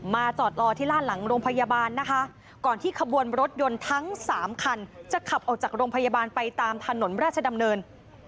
จอดรอที่ล่านหลังโรงพยาบาลนะคะก่อนที่ขบวนรถยนต์ทั้งสามคันจะขับออกจากโรงพยาบาลไปตามถนนราชดำเนิน